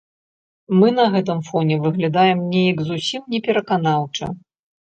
Мы на гэты фоне выглядаем неяк зусім непераканаўча.